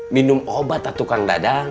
minum obat atuh kang dadang